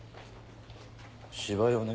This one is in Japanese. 芝居をね